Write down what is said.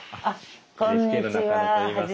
ＮＨＫの中野といいます。